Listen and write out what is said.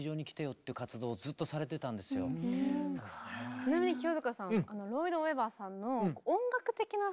ちなみに清塚さん